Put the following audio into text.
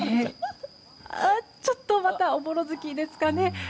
ちょっとまたおぼろ月ですかね。